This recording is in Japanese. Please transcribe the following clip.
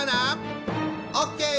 オッケー！